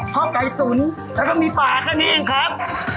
ข้อไก่ตุ๋นแล้วก็มีปลากันเองครับ